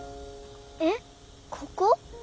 えっここ？